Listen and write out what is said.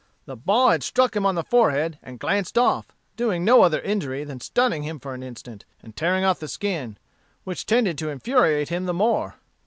The ball had struck him on the forehead and glanced off, doing no other injury than stunning him for an instant, and tearing off the skin, which tended to infuriate him the more.